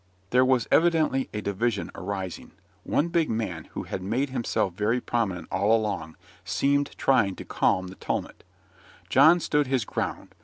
There was evidently a division arising. One big man, who had made himself very prominent all along, seemed trying to calm the tumult. John stood his ground.